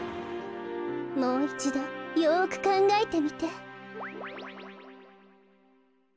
もういちどよくかんがえてみて。